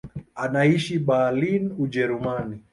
Anaishi Berlin, Ujerumani.